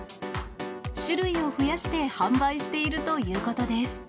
種類を増やして販売しているということです。